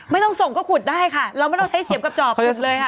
ไม่ต้องส่งก็ขุดได้ค่ะเราไม่ต้องใช้เสียมกับจอบขุดเลยค่ะ